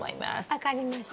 分かりました。